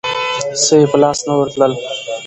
څه یې په لاس نه ورتلل.